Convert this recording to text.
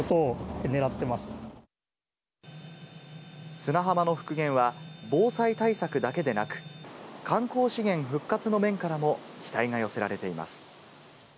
砂浜の復元は防災対策だけでなく観光資源復活の面からも期待が寄せられています。